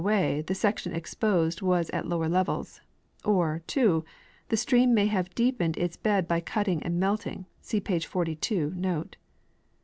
away the section exposed was at lower levels; or (2) the stream may have deepened its bed by cutting and melting (see page 42, note).